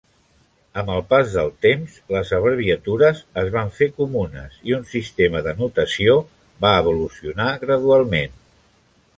Amb el pas del temps, les abreviatures es van fer comunes i un sistema de notació va evolucionar gradualment.